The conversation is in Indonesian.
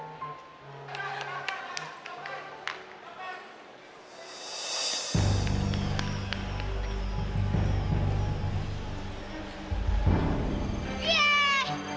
coba kita kita pukul sekarang